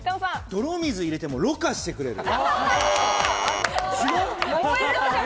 泥水入れても、ろ過してくれる。